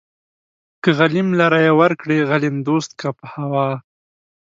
که غليم لره يې ورکړې غليم دوست کا په هوا